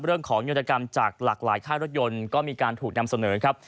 เรื่องของโยตกรรมจากหลากหลายค่ายรถยนต์ก็มีการถูกนำเสนอครับ